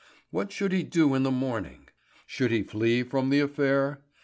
What should he do in the morning? Should he flee from the affair?